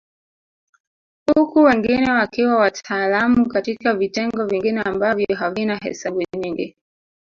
Huku wengine wakiwa wataalamu katika vitengo vingine ambavyo havina hesabu nyingi